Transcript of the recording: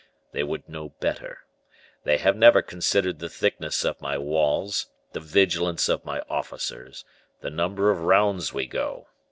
They would know better; they have never considered the thickness of my walls, the vigilance of my officers, the number of rounds we go.